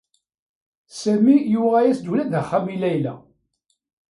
Sami yuɣ-as-d ula d axxam i Layla.